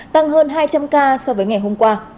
tăng hơn hai trăm linh ca so với ngày hôm qua